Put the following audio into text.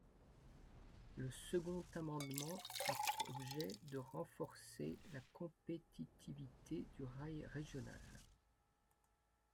Le second amendement a pour objet de renforcer la compétitivité du rail régional.